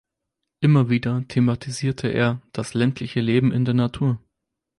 Immer wieder thematisierte er das ländliche Leben in der Natur.